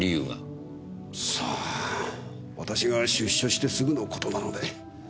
さあ私が出所してすぐの事なので。